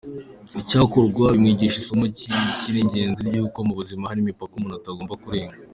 Icyakora bimwigisha isomo ry’ingenzi ry’uko mu buzima hari imipaka umuntu atagomba kurenga.